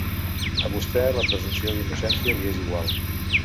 A vostè, la presumpció d’innocència li és igual.